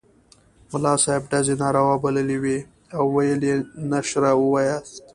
ملا صاحب ډزې ناروا بللې وې او ویل یې نشره ووایاست.